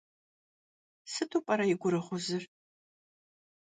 Сыту пӏэрэ и гурыгъузыр?